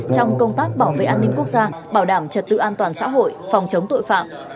trong công tác bảo vệ an ninh quốc gia bảo đảm trật tự an toàn xã hội phòng chống tội phạm